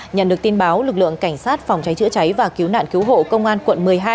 nhận được tin báo lực lượng cảnh sát phòng cháy chữa cháy và cứu nạn cứu hộ công an quận một mươi hai